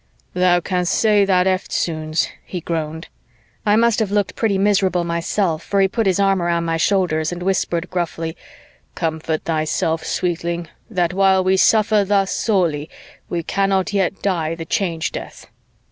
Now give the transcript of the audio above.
"Thou can'st say that eftsoons," he groaned. I must have looked pretty miserable myself, for he put his arm around my shoulders and whispered gruffly, "Comfort thyself, sweetling, that while we suffer thus sorely, we yet cannot die the Change Death."